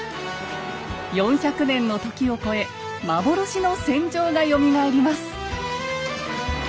４００年の時を超え幻の戦場がよみがえります